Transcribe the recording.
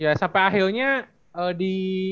ya sampai akhirnya di